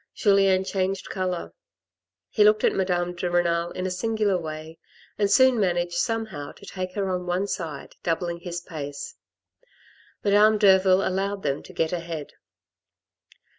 Julien changed colour. He looked at Madame de Renal in a singular way, and soon managed somehow to take her on one side, doubling his pace. Madame Derville allowed them to get ahead.